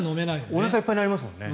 おなかいっぱいになりますもんね。